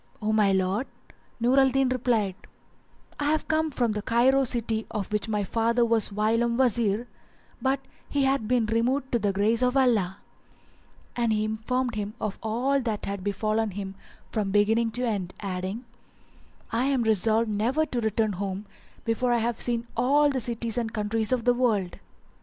"O my lord," Nur al Din replied, "I have come from Cairo city of which my father was whilome Wazir; but he hath been removed to the grace of Allah;" and he informed him of all that had befallen him from beginning to end, adding, "I am resolved never to return home before I have seen all the cities and countries of the world."